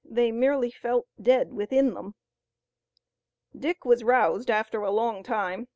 They merely felt dead within them. Dick was roused after a long time.